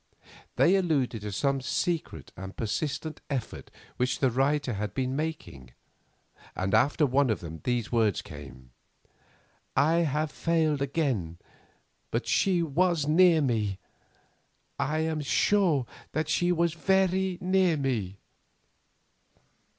They alluded to some secret and persistent effort which the writer had been making, and after one of them came these words, "I have failed again, but she was near me; I am sure that she was very near me."